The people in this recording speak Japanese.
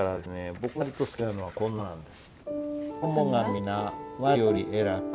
僕が割と好きなのはこんななんです。